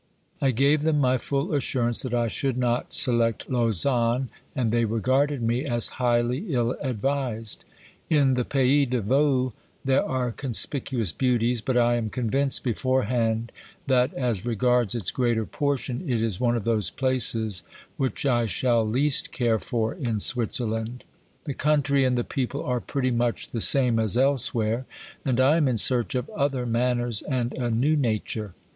I gave them my full assurance that I should not select Lausanne, and they regarded me as highly ill advised. In the pays de Vaud there are conspicuous beauties, but I am convinced beforehand that, as regards its greater portion, it is one of those places which I shall least care for in Switzer OBERMANN 13 land. The country and the people are pretty much the same as elsewhere, and I am in search of other manners and a new nature.